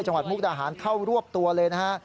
จังหวัดมุกดาหารเข้ารวบตัวเลยนะฮะ